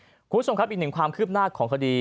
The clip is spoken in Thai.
คุณผู้ชมครับอีกหนึ่งความคืบหน้าของคดี